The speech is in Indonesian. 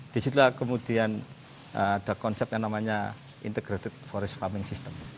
disitulah kemudian ada konsep yang namanya integrated forest farming system